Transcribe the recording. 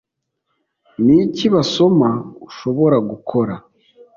Niki Basoma ushobora gukora